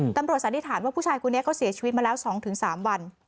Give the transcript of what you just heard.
สันนิษฐานว่าผู้ชายคนนี้เขาเสียชีวิตมาแล้ว๒๓วัน